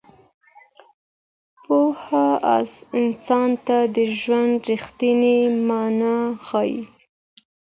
پوهه انسان ته د ژوند رښتينې مانا ښيي.